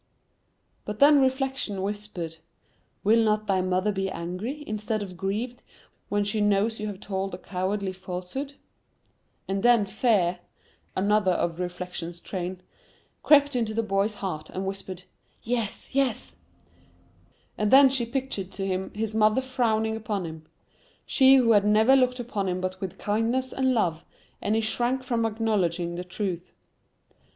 But then Reflection whispered, "Will not thy mother be angry, instead of grieved, when she knows you have told a cowardly falsehood?" And then, Fear, (another of Reflection's train) crept into the boy's heart, and whispered, "Yes, yes,"—and then she pictured to him his mother frowning upon him,—she who had never looked upon him but with kindness and love, and he shrank from acknowledging the truth.